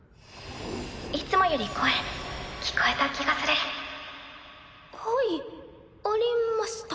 いつもより声聞こえた気がするはいありました。